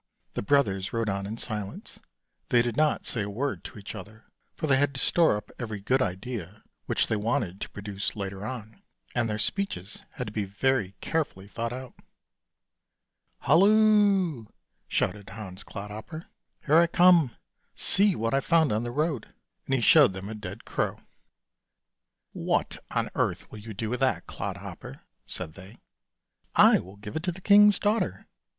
The brothers rode on in silence, they did not say a word to each other, for they had to store up every good idea which they wanted to produce later on, and their speeches had to be very carefully thought out. "Halloo!" shouted Hans Clodhopper, "here I come; see what I've found on the road," and he showed them a dead crow. " What on earth will you do with that, Clodhopper? " said they. " I will give it to the king's daughter."